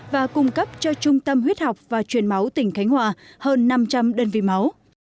và cung cấp cho trung tâm huyết học và truyền máu tỉnh khánh hòa hơn năm trăm linh đơn vị máu